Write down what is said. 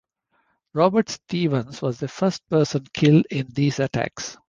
Robert Stevens was the first person killed in these attacks.